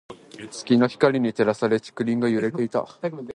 月の光に照らされ、竹林が揺れていた。